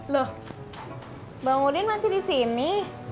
loh bang udin masih di sini